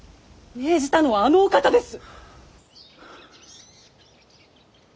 命じたのはあのお方です！